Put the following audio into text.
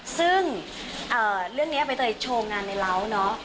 ซึ่งเรื่องนี้ใบเตยโชว์งานในเล้าเนาะ